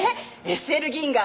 ＳＬ銀河。